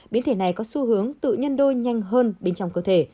biến thể này có xu hướng tự nhân đôi nhanh hơn bên trong cơ thể